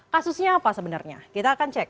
kasusnya apa sebenarnya kita akan cek